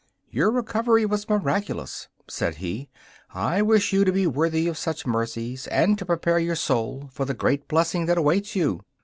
'Your recovery was miraculous,' said he. 'I wish you to be worthy of such mercies, and to prepare your soul for the great blessing that awaits you.